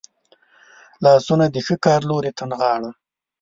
لاسونه د ښه کار لوري ته نغاړل.